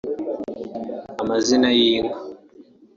amazina y'inka